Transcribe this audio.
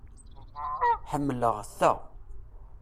Ḥemmleɣ ta.